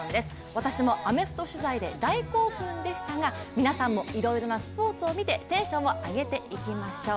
私もアメフト取材で大興奮でしたが、皆さんもいろいろなスポーツを見てテンションを上げていきましょう。